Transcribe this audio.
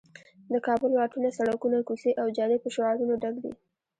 د کابل واټونه، سړکونه، کوڅې او جادې په شعارونو ډک دي.